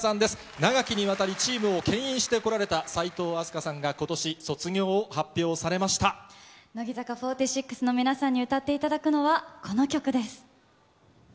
長きにわたりチームをけん引してこられた齋藤飛鳥さんが、ことし乃木坂４６の皆さんに歌っていただくのはこの曲です。